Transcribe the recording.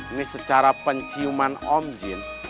ini secara penciuman om jin